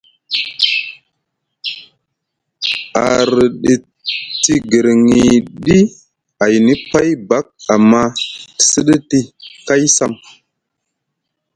A rɗiti guirŋiɗi ayni pay bak amma te sɗiti kay sam.